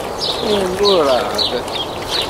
Rnu ɛreḍ.